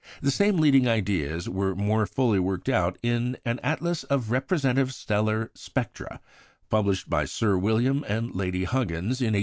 The same leading ideas were more fully worked out in "An Atlas of Representative Stellar Spectra," published by Sir William and Lady Huggins in 1899.